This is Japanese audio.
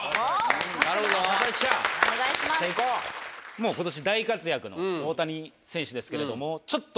もう今年大活躍の大谷選手ですけれどもちょっと。